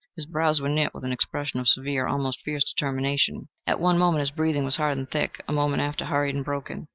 His brows were knit with an expression of severe almost fierce determination. At one moment his breathing was hard and thick a moment after hurried and broken.